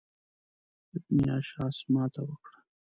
ابن اشعث ماته وکړه.